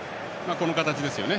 この形ですよね。